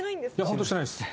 本当にしてないです。